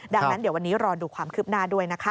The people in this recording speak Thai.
ดังนั้นเดี๋ยววันนี้รอดูความคืบหน้าด้วยนะคะ